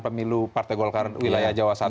pemilu partai golkar wilayah jawa satu